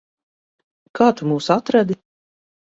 Kā tu mūs atradi?